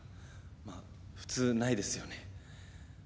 まあ普通ないですよね。